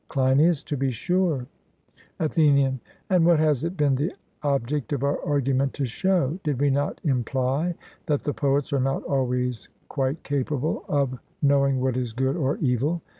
CLEINIAS: To be sure. ATHENIAN: And what has it been the object of our argument to show? Did we not imply that the poets are not always quite capable of knowing what is good or evil?